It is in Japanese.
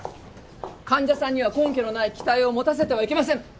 患者さんには根拠のない期待を持たせてはいけません。